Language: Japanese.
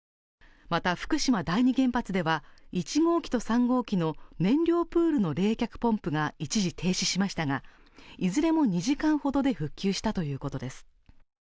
また福島第２原発では、１号機と３号機の燃料プールの冷却ポンプが一時停止しましたがいずれも２時間ほどで復旧したということです。